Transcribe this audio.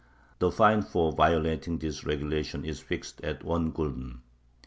The fine for violating this regulation is fixed at one gulden.